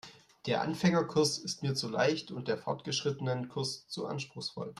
Der Anfängerkurs ist mir zu leicht und der Fortgeschrittenenkurs zu anspruchsvoll.